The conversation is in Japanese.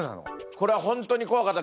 これは本当に怖かった。